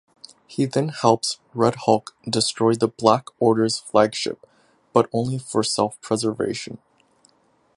He then helps Red Hulk destroy the Black Order's flagship, but only for self-preservation.